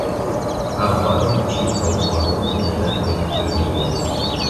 Arbaroj ĉirkaŭ kvarono de la teritorio.